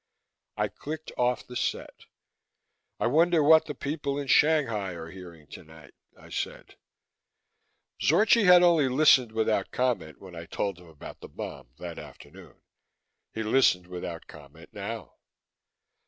I clicked off the set. "I wonder what the people in Shanghai are hearing tonight," I said. Zorchi had only listened without comment, when I told him about the bomb that afternoon; he listened without comment now.